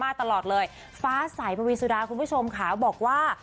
ตลอดเลยฟ้าสายปวีสุดาคุณผู้ชมค่ะบอกว่า